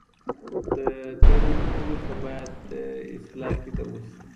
د تیروتنو وروسته باید د اصلاح فکر وشي.